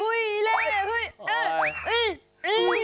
ฮุยเล่ฮุยเอ๊ะอึ๊ย